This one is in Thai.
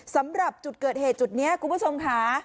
สำหรับจุดเกิดเหตุจุดนี้คุณผู้ชมค่ะ